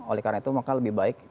oleh karena itu maka lebih baik